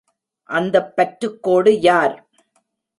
அந்தப் பற்றுக்கோடு யார்?